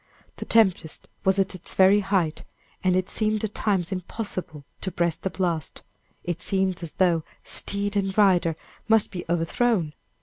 The tempest was at its very height, and it seemed at times impossible to breast the blast it seemed as though steed and rider must be overthrown!